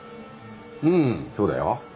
うんそうだよ。